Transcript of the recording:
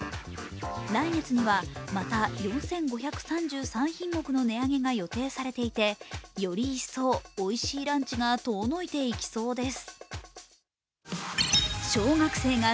来月には、また４５３３品目の値上げが予定されていて、より一層おいしいランチが遠のいていきそうです。